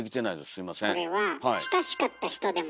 すいません。